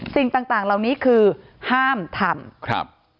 สิ่งต่างเหล่านี้คือห้ามทำครับ